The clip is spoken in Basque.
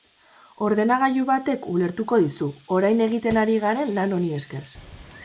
Ordenagailu batek ulertuko dizu, orain egiten ari garen lan honi esker.